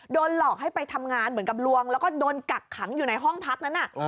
หลอกให้ไปทำงานเหมือนกับลวงแล้วก็โดนกักขังอยู่ในห้องพักนั้น